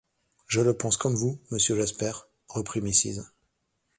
Je le pense comme vous, monsieur Jasper, reprit Mrs.